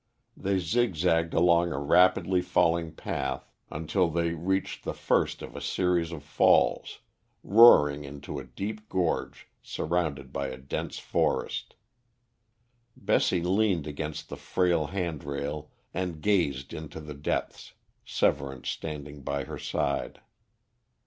They zigzagged along a rapidly falling path until they reached the first of a series of falls, roaring into a deep gorge surrounded by a dense forest. Bessie leaned against the frail handrail and gazed into the depths, Severance standing by her side.